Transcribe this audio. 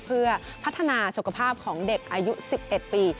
เพื่อพัฒนาสุขภาพของเด็กอายุ๑๑ปี